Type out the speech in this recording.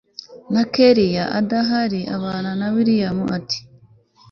na kellia adahari bana wiliam ati